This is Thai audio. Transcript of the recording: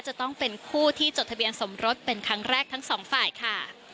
จะต้องเป็นคู่ที่จดทะเบียนสมรสเป็นครั้งแรกทั้งสองฝ่ายค่ะ